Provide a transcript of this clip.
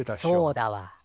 そうだわ。